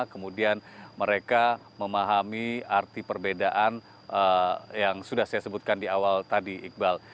kemudian mereka memahami arti perbedaan yang sudah saya sebutkan di awal tadi iqbal